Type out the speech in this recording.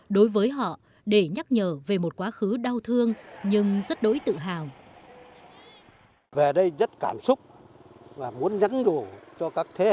đối với họ để nhắc nhở về một quá khứ đau thương nhưng rất đỗi tự hào